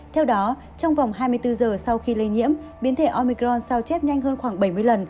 theo đó trong vòng hai mươi bốn giờ sau khi lây nhiễm biến thể omicron sao chép nhanh hơn khoảng bảy mươi lần